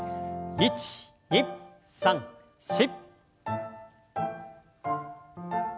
１２３４。